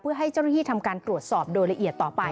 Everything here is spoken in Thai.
เพื่อให้เจ้าหน้าที่ทำการตรวจสอบโดยละเอียดต่อไป